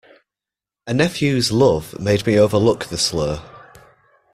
A nephew's love made me overlook the slur.